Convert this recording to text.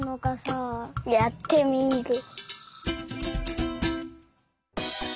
やってみる。